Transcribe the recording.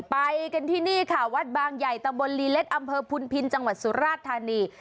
ไปกันที่นี่ค่ะวัดบางใหญ่ตำบลลีเล็กอำเภอพุนพินจังหวัดสุราชธานี